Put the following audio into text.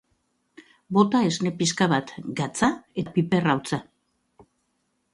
Bota esne pixka bat, gatza eta piper hautsa.